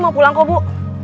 mau pulang kok bu